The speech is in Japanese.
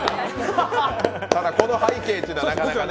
ただ、この背景というのはなかなかね。